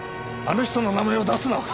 あの人の名前を出すな！